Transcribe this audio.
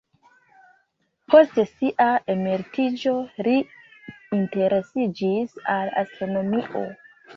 Post sia emeritiĝo li interesiĝis al astronomio.